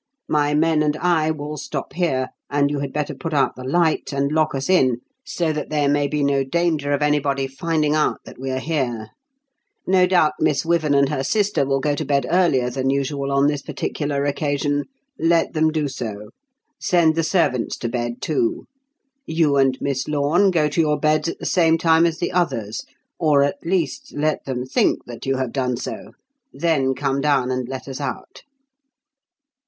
My men and I will stop here, and you had better put out the light and lock us in, so that there may be no danger of anybody finding out that we are here. No doubt Miss Wyvern and her sister will go to bed earlier than usual on this particular occasion. Let them do so. Send the servants to bed, too. You and Miss Lorne go to your beds at the same time as the others or, at least, let them think that you have done so; then come down and let us out."